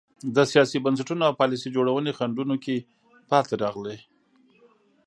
د سیاسي بنسټونو او پالیسۍ جوړونې خنډونو کې پاتې راغلي.